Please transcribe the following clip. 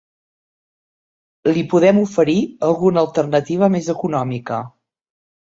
Li podem oferir alguna alternativa més econòmica.